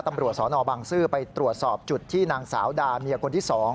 ตำรวจสนบังซื้อไปตรวจสอบจุดที่นางสาวดาเมียคนที่๒